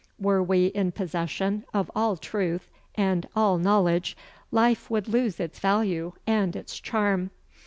Were we in possession of all truth and all knowledge, life would lose its value and its charm.